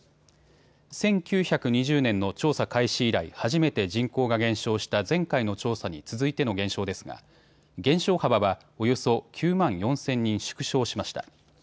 １９２０年の調査開始以来、初めて人口が減少した前回の調査に続いての減少ですが減少幅はおよそ９万４０００人縮小しました。